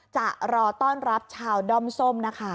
จะรอต้อนรับชาวด้อมส้มนะคะ